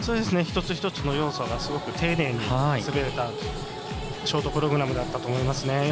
一つ一つの要素がすごく丁寧に滑れたショートプログラムだったと思いますね。